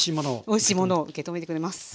おいしいものを受け止めてくれます。